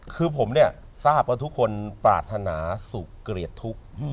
คือผมเนี่ยทราบว่าทุกคนปรารถนาสุขเกลียดทุกข์